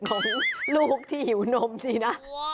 ของลูกที่หิวนมสินะ